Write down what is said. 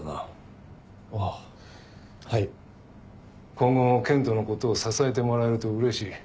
今後も健人のことを支えてもらえるとうれしい。